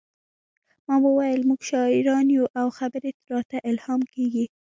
ما وویل موږ شاعران یو او خبرې راته الهام کیږي